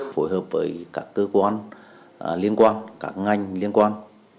phối hợp với các cơ quan liên quan các ngành liên quan